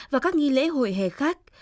và các nghi lễ hội hè khác